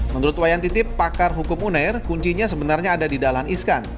menurut wayan titip pakar hukum uner kuncinya sebenarnya ada di dalan iskan